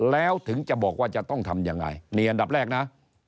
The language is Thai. แล้วถึงจะบอกว่าจะต้องทำยังไงนี่อันดับแรกนะ